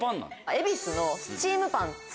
恵比寿の。